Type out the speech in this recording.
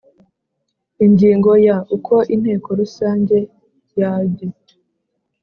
Ingingo Ya Uko Inteko Rusange yage